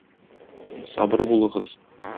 Сабыр булыгыз.